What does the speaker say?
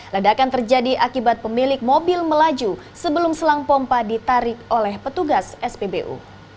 ledakan terjadi akibat pemilik mobil melaju sebelum selang pompa ditarik oleh petugas spbu